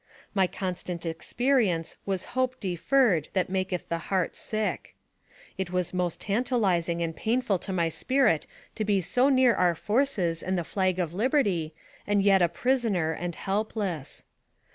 My constant experience was hope deferred that maketh the heart sick. It was most tantalizing and painful to my spirit to be so near our forces and the flag of liberty, and yet a prisoner and helpless.